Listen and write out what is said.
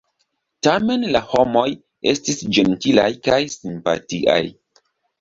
Tamen la homoj estis ĝentilaj kaj simpatiaj.